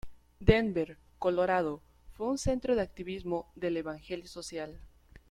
Denver, Colorado, fue un centro de activismo del Evangelio Social.